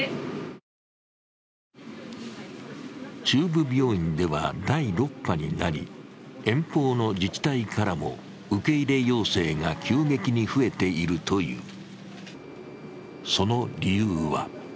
中部病院では第６波になり遠方の自治体からも受け入れ要請が急激に増えているという。